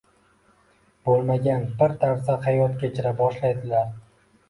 Bo’lmagan bir tarzda hayot kechira boshlaydilar.